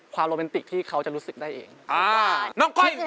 โรแมนติกที่เขาจะรู้สึกได้เอง